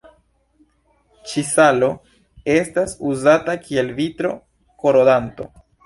Ĉi-salo estas uzata kiel vitro-korodanto.